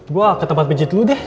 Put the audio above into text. gue ke tempat bejit lo deh